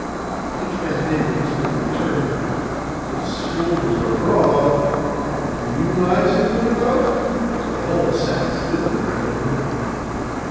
But each man's neighbour whispered in return, 'His shoulders are broad; will you rise and put him out?' So they all sat still where they were.